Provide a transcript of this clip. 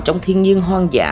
trong thiên nhiên hoang dã